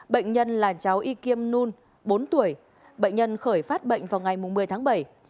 bệnh nhân là cháu y kiêm nun bốn tuổi bệnh nhân khởi phát bệnh vào ngày một mươi tháng bảy